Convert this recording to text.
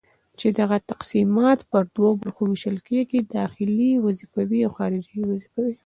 چي دغه تقسيمات پر دوو برخو ويشل کيږي:داخلي وظيفي او خارجي وظيفي